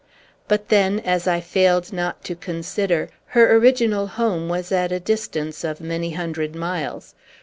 But then, as I failed not to consider, her original home was at a distance of many hundred miles.